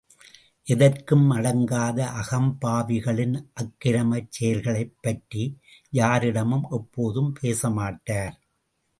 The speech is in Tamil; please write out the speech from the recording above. ◯ எதற்கும் அடங்காத அகம்பாவிகளின் அக்கிரமச் செயல்களைப் பற்றி, யாரிடமும் எப்போதும் பேசமாட்டார்.